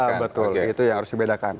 yes betul itu yang harus dibedakan